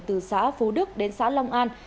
từ xã phú đức đến xã long an